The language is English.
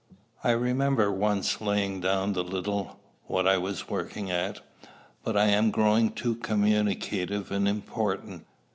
I remember once laying down the little what I was working at but I am growing too communicative and important.